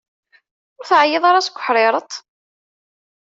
Ur teɛyiḍ ara seg uḥṛiṛet?